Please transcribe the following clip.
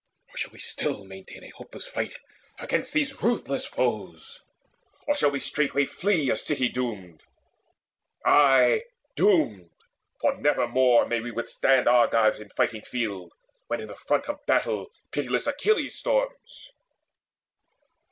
Or shall we still maintain A hopeless fight against these ruthless foes, Or shall we straightway flee a city doomed? Ay, doomed! for never more may we withstand Argives in fighting field, when in the front Of battle pitiless Achilles storms."